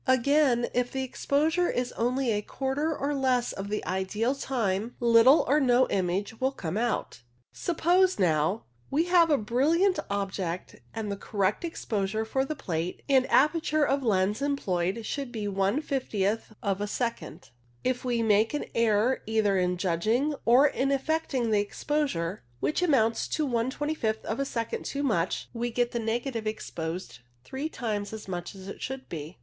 Again, if the exposure is only a quarter or less of the ideal time, little or no image will come out. Suppose, now, we have a brilliant object, and the correct exposure for the plate and aperture of lens employed should be one fiftieth of a second ; if we make an error either in judging or in effecting PHOTOGRAPHIC METHOD 167 the exposure, which amounts to one twenty fifth of a second too much, we get the negative exposed three times as much as it should be.